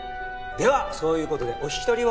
ではそういう事でお引き取りを。